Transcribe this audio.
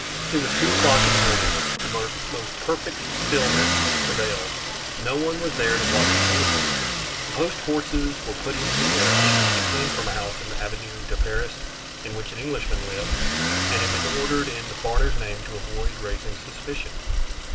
It was two o'clock in the morning, the most perfect stillness prevailed, no one was there to watch his movements. The post horses were put into the carriage (it came from a house in the Avenue de Paris in which an Englishman lived, and had been ordered in the foreigner's name to avoid raising suspicion).